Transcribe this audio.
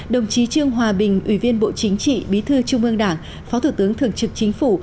đồng chí trương hòa bình ủy viên bộ chính trị bí thư trung ương đảng phó thủ tướng thường trực chính phủ